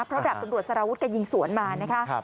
เพราะดาบตำรวจสารวุฒิก็ยิงสวนมานะคะ